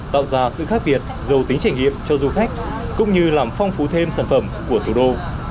tạo ra sự khác biệt giàu tính trải nghiệm cho du khách cũng như làm phong phú thêm sản phẩm của thủ đô